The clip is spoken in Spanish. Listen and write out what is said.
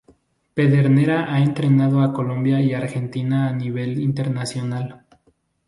Pedernera ha entrenado a Colombia y Argentina a nivel internacional.